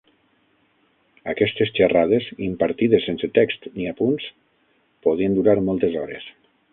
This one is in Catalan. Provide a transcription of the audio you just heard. Aquestes xerrades, impartides sense text ni apunts, podien durar moltes hores.